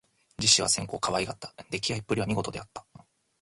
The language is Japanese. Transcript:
実資は千古をかわいがった。できあいっぷりは見事であった。